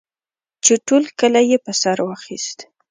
چې ټول کلی یې په سر واخیست.